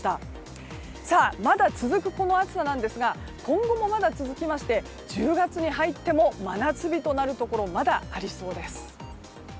まだ続くこの暑さですが今後もまだ続きまして１０月に入っても真夏日となるところがまだありそうです。